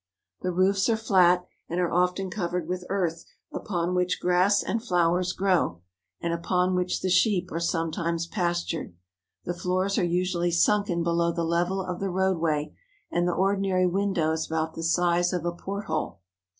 The roofs are flat, and are often covered with earth upon which grass and flowers grow, and upon which the sheep are sometimes pastured. The floors are usually sunken below the level of the road way, and the ordinary window is about the size of a port hole.